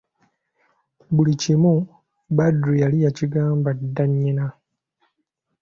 Buli kimu Badru yali yakigamba dda nnyina.